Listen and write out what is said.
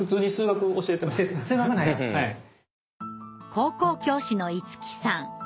高校教師のいつきさん。